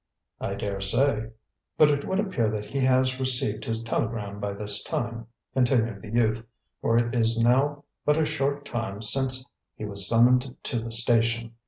"I dare say." "But it would appear that he has received his telegram by this time," continued the youth, "for it is now but a short time since he was summoned to the station."